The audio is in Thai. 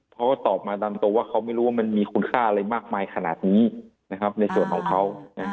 เขาก็ตอบมาตามตัวว่าเขาไม่รู้ว่ามันมีคุณค่าอะไรมากมายขนาดนี้ในส่วนของเขา